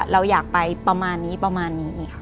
เราอยากไปประมาณนี้นี้